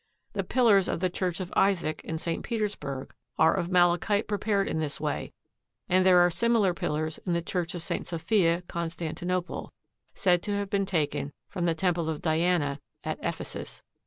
The pillars of the Church of Isaac in St. Petersburg are of malachite prepared in this way and there are similar pillars in the Church of St. Sophia, Constantinople, said to have been taken from the Temple of Diana at Ephesus.